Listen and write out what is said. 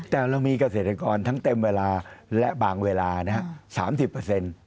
แต่เรามีเกษตรกรทั้งเต็มเวลาและบางเวลานะฮะ๓๐